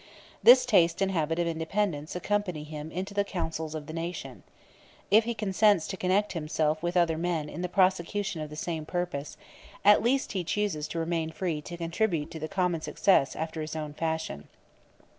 This taste and habit of independence accompany him into the councils of the nation. If he consents to connect himself with other men in the prosecution of the same purpose, at least he chooses to remain free to contribute to the common success after his own fashion.